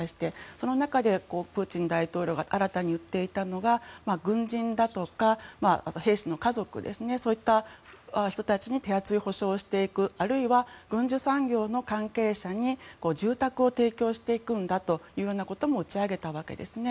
その中で、プーチン大統領が新たに言っていたのが軍人だとか兵士の家族そういった人たちに手厚い保障をしていくあるいは軍需産業の関係者に住宅を提供していくんだということも打ち上げたんですね。